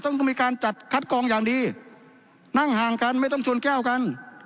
ต้องมีการจัดคัดกองอย่างดีนั่งห่างกันไม่ต้องชวนแก้วกัน